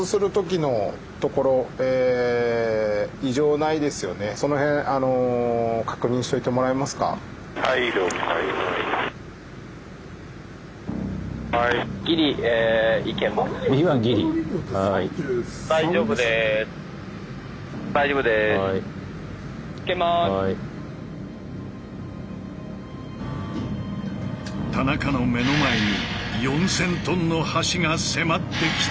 田中の目の前に４，０００ｔの橋が迫ってきた。